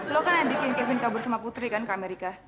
lo kan yang bikin kevin kabur sama putri kan ke amerika